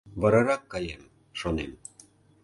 Варарак каем, шонем.